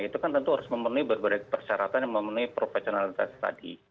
itu kan tentu harus memenuhi berbagai persyaratan yang memenuhi profesionalitas tadi